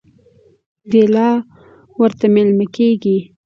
دی لا ورته مېلمه کېږي.